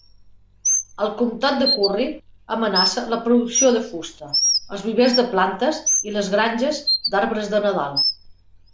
Al comtat de Curry, amenaça la producció de fusta, els vivers de plantes i les granges d'arbres de nadal.